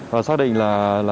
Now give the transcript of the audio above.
và xác định là